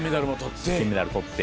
金メダルも取って。